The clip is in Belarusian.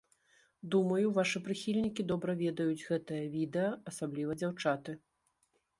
Думаю вашы прыхільнікі добра ведаюць гэтае відэа, асабліва дзяўчаты.